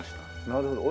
なるほど。